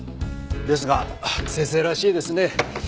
ですが先生らしいですね。